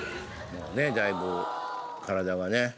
もうだいぶ体がね。